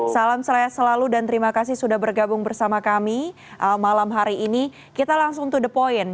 salam sehat selalu dan terima kasih sudah bergabung bersama kami malam hari ini kita langsung to the point